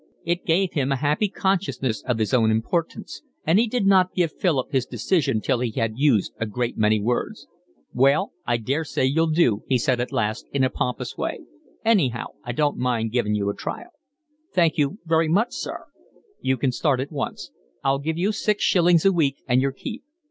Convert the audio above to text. It gave him a happy consciousness of his own importance, and he did not give Philip his decision till he had used a great many words. "Well, I daresay you'll do," he said at last, in a pompous way. "Anyhow I don't mind giving you a trial." "Thank you very much, sir." "You can start at once. I'll give you six shillings a week and your keep.